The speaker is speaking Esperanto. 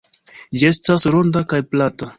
Ĝi estas ronda kaj plata.